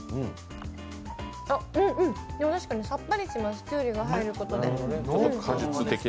さっぱりしますきゅうりが入ることで。